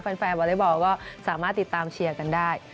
แฟนวอเล็กบอลก็สามารถติดตามเชียร์กันได้